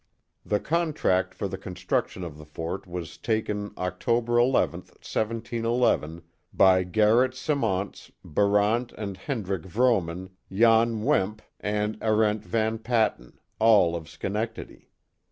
The contract for the construction of the fort was taken October 11, 171 1, by Garret Symonce, Barant and Hendrick Vrooman, Jan Wemp, and Arcnt Van Patten, all of Sche nectady.